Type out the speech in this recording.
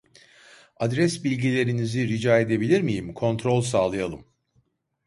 Adres bilgilerinizi rica edebilir miyim kontrol sağlayalım